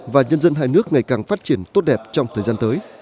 và nhân dân hai nước ngày càng phát triển tốt đẹp trong thời gian tới